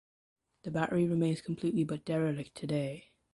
The battery remains complete but derelict today.